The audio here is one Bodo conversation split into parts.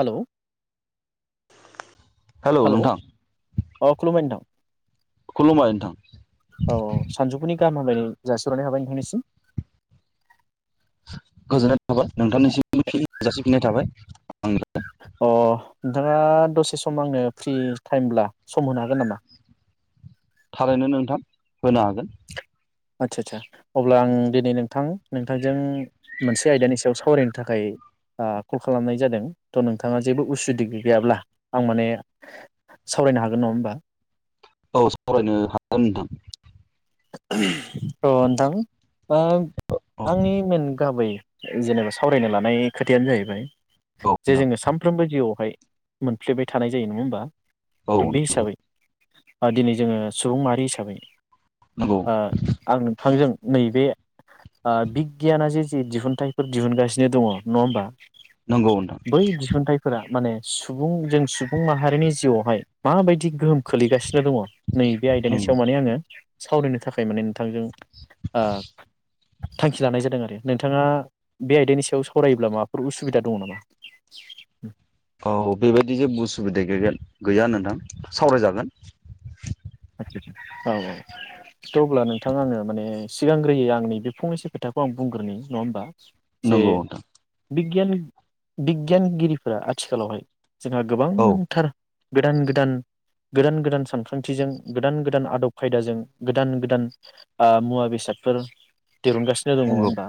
हालौ हालौ नोंथां अ खुलुमबाय नोंथां खुलुमबाय नोंथां औ सानजौफुनि गाहाम हामलायनाय जासिहरनाय थाबाय नोंथांनिसिम गोजोननाय थाबाय नोंथांनिसिम फिन जासिफिननाय थाबाय ओंङो अ नोंथाङा दसे सम आंनो फ्रि टाइमब्ला सम होनो हागोन नामा? थारैनो नोंथां होनो हागोन आदसा आदसा अब्ला आं दिनै नोंथां नोंथांजों मोनसे आयदानि सायाव सावरायनो थाखाय आ कल खालामनाय जादों त' नोंथाङा जेबो उसुदि गैयाब्ला आं माने सावरायनो हागोन नङा होमबा औ सावरायनो हागोन ओनथां अ ओनथां ओ आंनि मेन गाबै जेनेबा सावरायनो लानाय खोथायानो जाहैबाय औ जे जोङो सामफ्रोमबो जिउआवहाय। मोनफ्लेबाय थानाय जायो नोङा होमबा? दा बे नोंथां औ हिसाबै। आ दिनै जोंङो सुबुं माहारि हिसाबै। नंगौ ओ आं नोंथांजों नैबे ओ बिगगियाना जे जे दिहुनथाइफोर दिहुनगासिनो दङ नङा होमबा। नंगौ नंगौ नोंथां बै दिहुनथायाइफोरा माने। सुबुं जों सुबुं माहारिनि जिउआवहाय माबायदि गोहोम खोलैगासिन। जे दङ नैबे आयदानि नंगौ सायाव माने आङो सावरायनो थाखाय माने नोंथांजों आ थांखि लानाय जादों आरो। नोंथाङा बे आयदानि सायाव सावरायोब्ला माबाफोर उसुबिदा दङ नामा? औ बेबायदि जेबो उसुबिदा गैगोन गैया नोंथां सावरायजागोन। औ औ थ अब्ला नोंथां आङो माने सिगांग्रोयै आंनि बे फंनैसो खोथाखौ आं बुंग्रोनि नङा होमबा। नंगौ नोंथां। गियान बिगगियानगिरिफोरा आथिखालावहाय जोंहा औ गोबांथार गोदान गोदान गोदान गोदान सानखांथिजों गोदान गोदान आदब खायदाजों गोदान गोदान ओ मुवा बेसादफोर दोरूनगासिनो दं नंङा नंगौ होमबा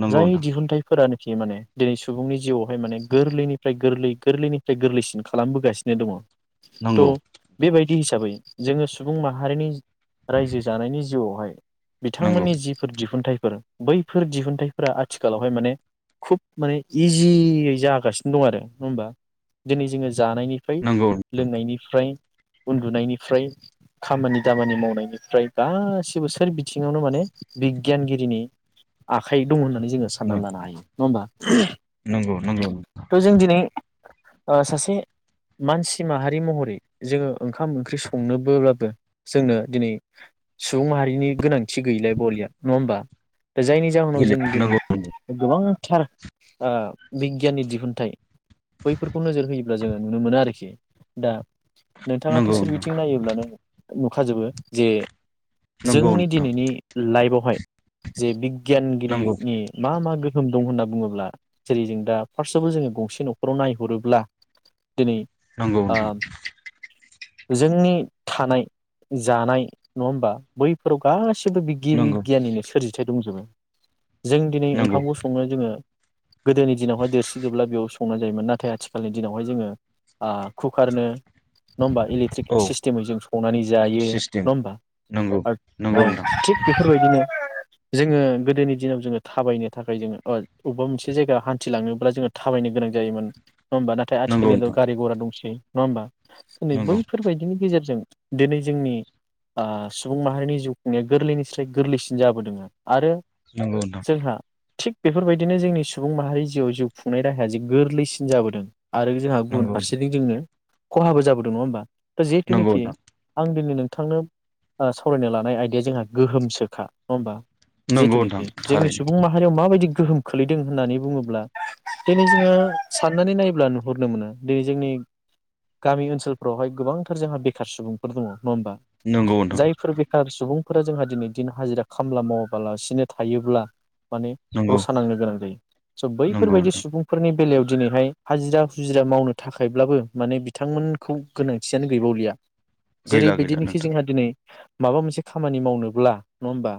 नंगौ जाय नोंथां दिहुनथाइफोरानो। फि माने दोनै सुबुंनि जिउआवहाय माने गोरलैनिफ्राय गोरलै गोरलैनिफ्राय गोरलैसिन खालामबोगासिनो दङ। नंगौ थ बेबायदि हिसाबै। जोंङो सुबुं माहारिनि रायजो जानायनि जिउआवहाय नंगौ बिथांमोननि जिफोर दिहुनथाइफ फोर बैफोर दिहुनथाइफोरा आथिखालावहाय माने खुब माने इजियै जागासिनो दं आरो नङा होमबा दिनै जोङो जानायनिफ्राय नंगौ नोंथां लोंनायनिफ्राय। उन्दुनायनिफ्राय। खामानि दामानि मावनायनिफ्राय गासिबो सोर बिथिङावनो माने बिगियानगिरिनि आखाइ दं होननानै जोङो साननानै लानो हायो नङा होमबा नंगौ नंगौ थ जों दिनै ओ सासे मानसि माहारि महरै जोङो ओंखाम ओंख्रि स संनोबोब्लाबो जोंनो दिनै सुबुं माहारिनि गोनांथि गैलाय बवालिया नङा होमबा। दा जायनि जाहोनाव जों दिनै नंगौ गोबां थार ओ बिगियाननि दिहुनथाइ। बैफोरखौ नोजोर होयोब ब्लाजोङो नुनो मोनो आरोखि दा नंगौ नोंथां। नायोलानो नुखाजोबो जे नंगौ जोंनि नोंथां नंगौ दिनैनि लाइफआवहाय जे बि नंगौ गियानगिरिनि मा मा गो गोहोम दं होनना बुङोब्ला जेरै जों दा फार्स्टआवबो जोङो गंसे न'खराव नायहरोब्ला दिनै नंगौ ओ नोंथां जोंनि थानाय जानाय नङा होमबा बैफोराव गासि बो नंगौ बिगियानिनो सोरजि दंजोबो जों दिनै नंगौ ओंखामखौ संनो जोङो। गोदोनि दिनावहाय दोरसि दोबब्ला बेयाव संनानै जायोमोन नाथाय आथिखालनि दिनावहाय जोङो ओ कुकारनो ट्रिक औ सिस्टेमै जों संनानै जायो सिस्टेम नङा होमबा! नंगौ आरो नंगौ औ नोंथां थिग बेफोरबायदिनो जोङो गोदोनि दिनाव जोङो थाबायनो थाखाय जोङो ओ अबेबा मोनसे जायगायाव हान्थिलाङोब्ला जोङो थाबायनो गोनां जायोमोन। नङा होमा नाथाय नंगौ आथिखाल नोंथां गारि गरा दंसै नङा होमबा नै बै नंगौ बिनि गेजेरजों दिनै जोंनि ओ सुबुं माहारिनि जिउ खुंनाया गोरलैनिसस्राय गोरलैसिन जाबोदों आरो आरो नंगौ नोंथां जोंहा थिग बेफोरबायदिनो जोंनि सुबुं माहारि जिउआव जिउ खुंनाय राहाया जे गोरलैसिन जाबोदों। आरो जोंहा गुबुन नंगौ फारसेथिं जोङो खहाबो जाबोदों नङा होमबा? नंगौ जिहेतुनाखि नोंथां आं दिनै नों- थांनो ओ सावरायनो लानाय आयदाया जोंहा गोहोमसोखा। नङा होमबा? नंगौ नोंथां जिथुनाखि जोंनि थारैनो सुबुं माहारियाव माबायदि गोहोम खोलैदों होननानै बुङोब्ला दिनै जोङो साननानै नायोब्ला नुहुरनो मोनो दिनै जोंनि गामि ओनसोलफ्रावहाय गोबांथार जोंहा बेखार सुबुंफोर दङ। नंङा होनबा? नंगौ नोंथां जायफोर बेखार सुबुंफोरा जोंहा दिनै दिन हाजिरा खामला मावाबालासिनो थायोब्ला माने नंगौ रसा नांनो गोनां जायो स' नंगौ बैफोरबायदि नोंथां सुबुंफोरनि बेलायाव दिनैहाय हाजिरा हुजिरा मावनो थाखायब्लाबो माने बिथांमोनखौ गोनांथियानो गैबावलिया जेरै गैला गैला बिदिनोखि नोंथां जोंहा दिनै माबा मोनसे खामानि मावनोब्ला नङा होमबा!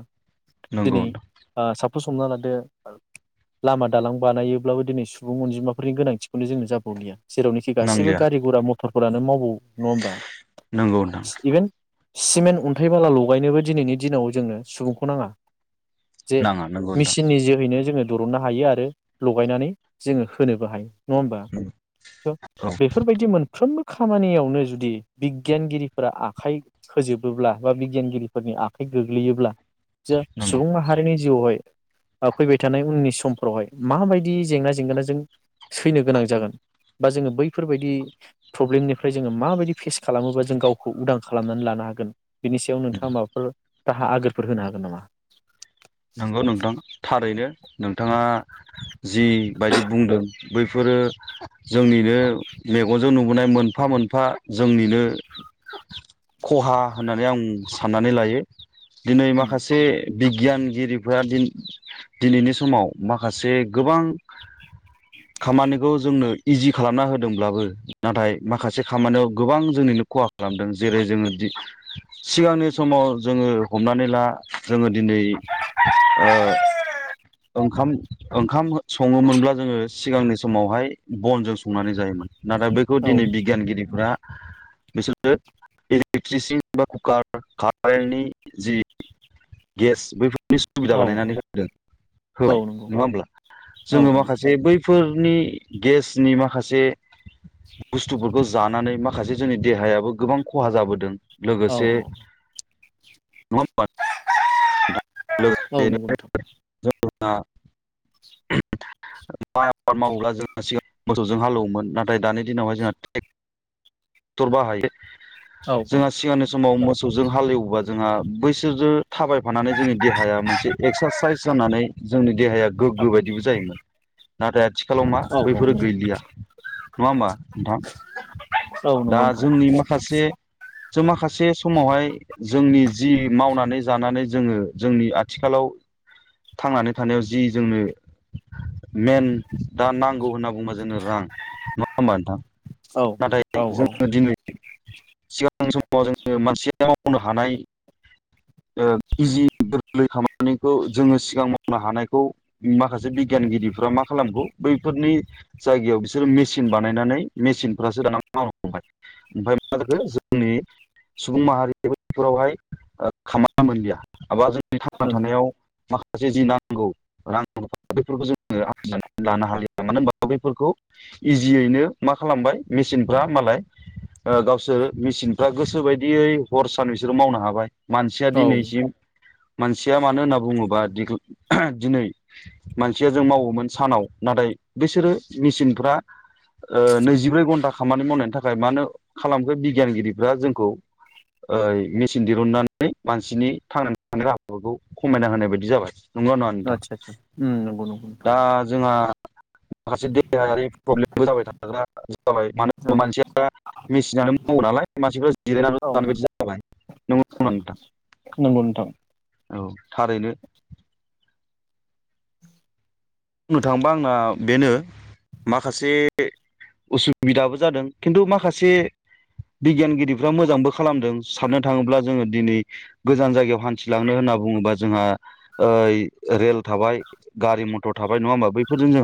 नोंगौ नोंथां फसंना लादो लामा दालां बानायोब्लाबो दिनै सुबुं अनजिमाफोरनि गोनांथिखौनो जोंनो जाबावलिया जेरावनिखि गासिबो नांलिया गारि गुरा मथर फोरानो माव नङा होमबा नंगौ नोंथां इभेन सिमेन्ट अन्थाइ बाला लगायनोबो दिनैनि दिनाव जोंनो सुबुंखौ नाङा जे नाङा नंगौ नोंथां मेसिननि जोहैनो जोङो दरननो हायो आरो लगायनानै जोङो होनोबो हायो नङा होमबा स औ बेफोरबायदि मोनफ्रोमबो खामानियावनो जुदि बिगियानगिरिफोरा आखाइ होजोबोब्ला बा बिगियानगिरिफोरनि आखाइ गोग्लैयोब्ला जे नंगौ सुबुं माहारिनि जिउआवहाय फैबाय थानाय उननि समफ्रावहाय माबायदि जेंना जेंगोना जों सैनो गोनां जागोन बा जोङो बैफोरबायदि प्रब्लेमनि फ्राय जोङो माबायदि फेस खालामोबा जों गावखौ उदां खालामनानै लानो हागोन बिनि सायाव नोंथाङा माबाफोर दाहा आगोरफोर होनो हागोन नामा नंगौ नोंथां थारैनो नोंथाङा जिबायदि बुंदों बैफोरो जोंनिनो मेगनजों नुबोनाय मोनफा मोनफा जोंनिनो खहा होननानै आं साननानै लायो। दिनै माखासे बिगियान गिरिफोरा दिनैनि समाव माखासे गोबां खामानिखौ जोंनो इजि खालामना होदोंब्लाबो नाथाय माखासे खामानियाव गोबां जोंनिनो खहा खालामदों जेरै जोङो सिगांनि समाव जोङो हमनानै ला जोङो दिनै ओ ओंखाम ओंखाम सङोमोनब्ला जोङो सिगांनि समावहाय बनजों संनानै जायोमोन नाथाय बैखौ औ दिनै बिगियानगिरिफ्रा बेसोरो इलेक्ट्रिसिन बा कुकार कारेन्टनि जि गेस बैफोरनि सुबिदा औ बानायनानै होदों औ होलाय नंगौ नङा होमब्ला औ जोङो माखासे बै फोरनि गेसनि माखासे बुस्थुफोरखौ जानानै माखासे जोंनि देहायाबो गोबां खहा जाबोदों औ लोगोसे औ नङा होनबा औ नंगौ जोंहा माइ आबाद मावोब्ला जोंहा सिगां मोसौजों हालेवोमोन नाथाय दानि दिनावहाय जोंहा टेक्टर बाहायो औ जोंहा सिगांनि समाव मोजां मोसौजों हाल एवोबा जोंहा बैसोरजों थाबायफानानै जोंनि देहाया मोनसे एक्सारसाइस जानानै जोंनि देहाया गोग्गो बायदिबो जायोमोन नाथाय आथि खालाव मा औ औ बैफोरो नंगौ गैलिया नङा होमबा नोंथां? औ नंगौ दा नोंथां जोंनि माखासे जों माखासे समावहाय जोंनि जि मावनानै जानानै जोङो जोंनि आथिखालाव थांनानै थानायाव जि जोंनो मेन दा नांगौ होनना बुंबा जों रां नङा होनबा नोंथां? औ नाथाय औ जों दिनै सिगां समाव जों मानसिया दा मावनो हानाय इजि गोरलै खामानिखौ जोङो सिगां मावनो हानायखौ माखासे बिगियानगिरिफ्रा मा खालामगौ बैफोरनि जायगायाव बिसोरो मेसिन बानायनानै मेसिनफ्रासो दाना माव हमबाय ओमफ्राय मा जाखो जोंनि सुबुं माहारिफोरावहाय खामानि मोनलिया माबा जों बे थांना थानायाव माखासे जि नांगौ रां बेफोरखौ जोङोनानै आरजिनानै लानो हालिया मानो होनबा बेफोरखौ इजियैनो मा खालामबाय मेचिनफ्रा मालाय ओ गावसोर मेसिनफ्रा गोसो बायदियै हर सान बिसोरो मावनो हाबाय मानसिया औ दिनैसिम मानसिया मानो होनना बुङोबा दि दिनै मानसिया जों मावोमोन सानाव नाथाय बिसोरो मेसिनफ्रा नैजिब्रै घन्टा खामानि मावनायनि थाखाय मानो खालामखो बिगियानगिरिफ्रा जोंखौ ओ मेचिन दिहुनन्नानै मानसिनि थांनानै नाय राहाफोरखौ खमायना होनाय बायदि जाबाय। नंगौ ना नङा नोंथां? आदसा आदसा उम नंगौ नंगौ नोंथां दा जोंहा माखासे देहायारि प्रब्लेमबो जाबाय थाग्रा जाबाय मानो होना मानसिया मेसिनानो मावो नालाय मानसिफ्रा औ जिरायनानै बायदि जाबाय नंगौ ना नङा नोंथां? नंगौ नोंथां औ थारैनो। बुंनो थाङोबा आंना बेनो माखासे उसुबिदाबो जादों खिन्थु माखासे बिगियानगिरिफ्रा मोजांबो खालामदों साननो थाङोब्ला जोङो दिनै गोजान जायगायाव हान्थिलांनो होनना बुङोबा जोंहा ओ रेल थाबाय गारि मथर थाबाय नङा होमबा? बैफोरजों जों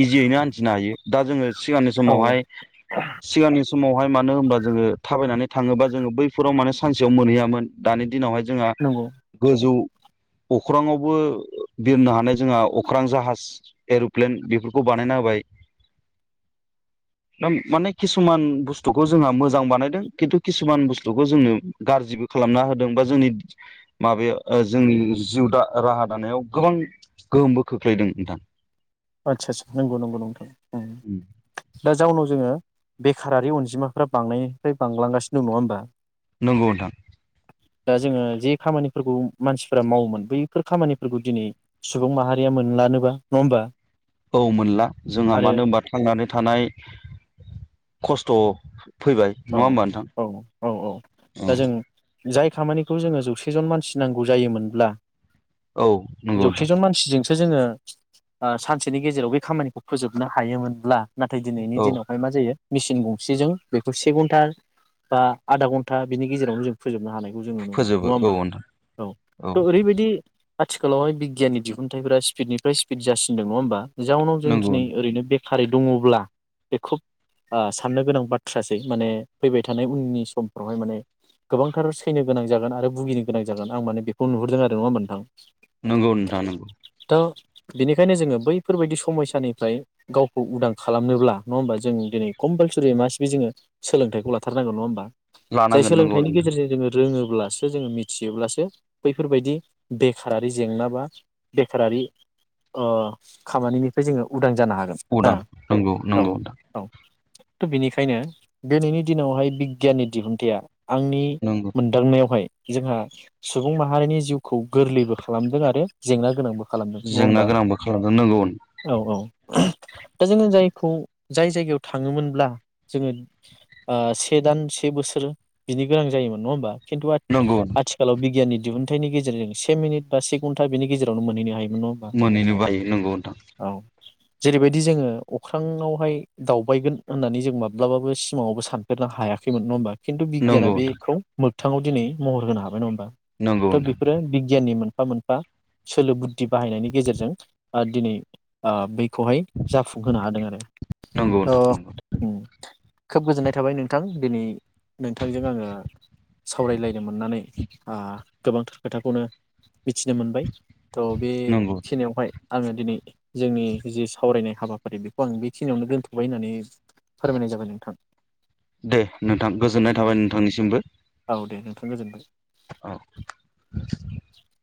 इजियैनो हान्थिनो हायो। दा जोङो सिगांनि औ समावहाय सिगांनि समावहाय मानो होमब्ला जोङो थाबायनानै थाङोबा जोङो बैफोराव माने सानसेयाव मोनहैयामोन। दानि दिनावहाय जोंहा नंगौ गोजौ अख्राङावबो बिरनो हानाय जोंहा अ अख्रां जाहाज एर'प्लेन बेफोरखौ बानायना होबाय। दा माने किसुमान बुस्थुखौ जोंहा मोजां बानायदों खिन्थु किसुमान बुस्थुखौ जोंनो गाज्रिबो खालामना होदों बा जोंनि माबायाव जोंनि जिउ द राहा दानायाव गोबां गोहोमबो खोख्लैदों नोंथां। आचसा आसा नंगौ नंगौ नोंथां उम। दा जाउनाव जोङो बेखारारि अनजिमाफोरा बांनायनिफ्राय बांलांगासिनो दं नङा होमबा? नोंगौ ओनथां। दा जोङो जे खामानिफोरखौ मानसिफ्रा मावोमोन बैफोर खामानिफोरखौ दिनै सुबुं माहारिया मोनलानोबा नङा होमबा? औ मोनला जोंहा आरो मानो होनबा थांनानै थानाय खस्थ' फैबाय औ नङा होमबा नोंथां? औ औ औ दा जों औ। जाय खामानिखौ जोङो जौसेजन मानसि नांगौ जायोमोनब्ला औ नंगौ नोंथां। जौसेजन मानसिजोंसो जोङो ओ सानसेनि गेजेराव बे खामानिखौ फोजोबनो हायोमोनब्ला नाथाय दिनैनि औ दिनावहाय मा जायो मिसिन गंसेजों बे से घन्टा बा आधा घन्टा बिनि गेजेरावनो जों फोजोबनो हानाय जों नुनो मोनो फोजोबो नङा औ होमबा नोंथां औ त' ओरैबायदि आथिखालावहाय बिगियाननि दिहुनथायफोरा स्पिडनिफ्राय स्पिड जासिनदों नङा होमबा जाउनाव जों नंगौ दिनै ओरैनो बे खारै दङब्ला बे खुब ओ साननो गोनां बा थ्रासै माने फैबाय थानाय उननि समफ्रावहाय माने गोबांथार सैनो गोनां जागोन आरो भुगिनो गोनां जागोन आं माने बेखौ नुहुरदों आरो नङा होमबा नोंथां नंगौ नोंथां नंगौ बेनिखायनो जोङो बैफोरबायदि समयसानिफ्राय गावखौ उदां खालामनोब्ला नङा होमबा जों दिनै कम्पालसरि मा बे जोङो सोलोंथाइखौ लाथारनांगौ नङा होमबा जाय लानांगोन नंगौ सोलोंथाइनि नोंथां गेजेरजों जोङो रोङो अब्लासो जोङो मिथियोब्लासो बैफोरबायदि बेखारारि जेंना बा बेखारारि ओ खामानिनिफ्राय जोङो उदां जानो हागोन ना उदां नंगौ नंगौ नोंथां त बिनि खायनो दिनैनि दिनावहाय बिगियाननि दिहुनथाया आंनि नंगौ मोनदांनायावहाय जोंहा सुबुं माहारिनि जिउखौ गोरलैबो खालामदों आरो जेंना गोनांबो खालामदों नङा जेंना होमबा गोनांबो खालामदों नंगौ औ औ दा जोङो जायखौ जाय जायगायाव थाङोमोनब्ला जोङो ओ से दान से बोसोर बिनि गोनां जायोमोन नङा होमबा खिन्थु आ नंगौ आथिखालाव बिगियाननि दिहुनथाइनि गेजेरजों से मिनिट बा से घन्टा बेनि गेजेरावनो मोनहैनो हायो मोनहैनोबो हायो नंगौ नोंथां औ जेरैबायदि जोङो अख्रांआवहाय दावबायगोन होननानै जों माब्लाबाबो सिमाङावबो सानफेरनो हायाखैमोन नङा होमबा खिन्थु बिगियाना नंगौ नोंथां बेखौ मोग थाङाव दिनै महर होनो हाबाय नं नंगौ थ नोंथां बेफोरो बिगियाननि मोन मोनफा मोनफा सोलो बुद्धि बाहायनायनि गेजेरजों ओ दिनै ओ बै खौहाय जाफुंहोनो हादों आरो नंगौ थ' नोंथां नंगौ उम खोब गोजोननाय थाबाय नोंथां दिनै नोंथांजों आङो सावरायलायनो मोननानै ओ गोबांथार खोथाखौनो मिथिनो मोनबाय त' नंगौ बेखिनियावहाय आङो दिनै जोंनि जि सावरायनाय हाबाफारि बेखौ आं बेखिनियावनो दोनथ'बाय होननानै फोरमायनाय जाबाय नोंथां दे नोंथां गोजोननाय औ थाबाय नोंथांनिसिमबो औ दे नोंथां गोजोनबाय औ